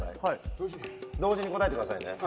同時に答えてくださいね。